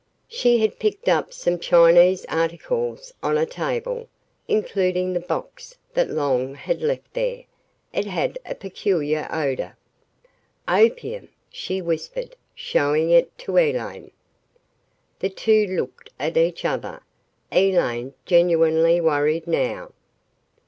She had picked up some Chinese articles on a table, including the box that Long had left there. It had a peculiar odor. "Opium!" she whispered, showing it to Elaine. The two looked at each other, Elaine genuinely worried now.